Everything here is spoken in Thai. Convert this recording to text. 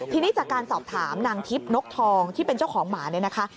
ทีนี้จากการสอบถามนางทิพย์นกทองที่เป็นเจ้าของหมาเนี่ยนะคะ